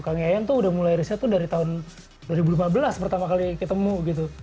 kang yayan tuh udah mulai riset tuh dari tahun dua ribu lima belas pertama kali ketemu gitu